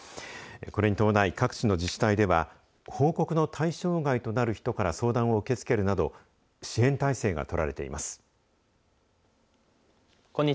これに伴い各地の自治体では報告の対象外となる人から相談を受け付けるなど支援体制が取られています。